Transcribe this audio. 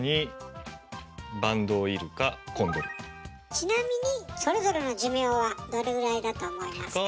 ちなみにそれぞれの寿命はどれぐらいだと思いますか？